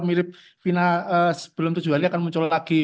mirip fina sebelum tujuh hari akan muncul lagi